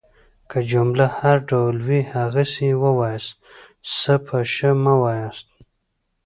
که جمله هر ډول وي هغسي يې وایاست. س په ش مه واياست.